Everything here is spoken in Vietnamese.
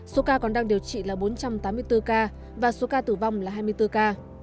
số ca còn đang điều trị là bốn trăm tám mươi bốn ca và số ca tử vong là hai mươi bốn ca